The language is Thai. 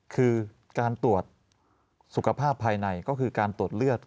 คือการตรวจสุขภาพภายในก็คือการตรวจเลือด